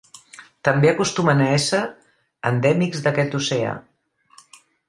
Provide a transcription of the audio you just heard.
També acostumen a ésser endèmics d'aquest oceà.